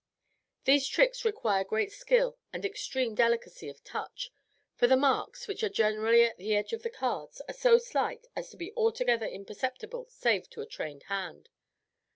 These tricks require great skill and extreme delicacy of touch, for the marks, which are generally at the edge of the cards, are so slight as to be altogether imperceptible save to a trained hand.